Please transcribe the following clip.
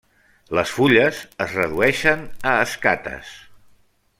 Les fulles es redueixen a escates.